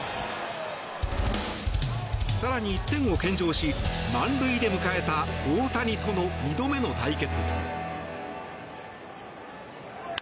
更に、１点を献上し満塁で迎えた大谷との２度目の対決。